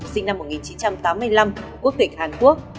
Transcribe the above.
sinh năm một nghìn chín trăm tám mươi năm quốc tịch hàn quốc